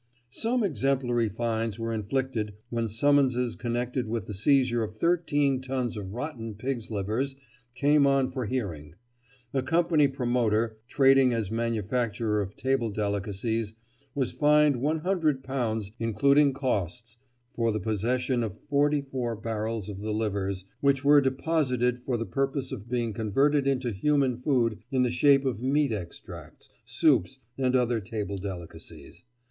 Some exemplary fines were inflicted when summonses connected with the seizure of 13 tons of rotten pigs' livers came on for hearing. A company promoter, trading as manufacturer of table delicacies, was fined £100, including costs, for the possession of forty four barrels of the livers, which were deposited for the purpose of being converted into human food in the shape of meat extracts, soups, and other table delicacies.